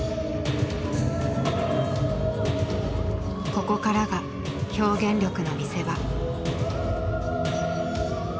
ここからが表現力の見せ場。